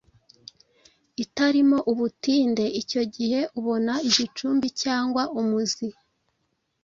itarimo ubutinde. Icyo gihe ubona igicumbi cyangwa umuzi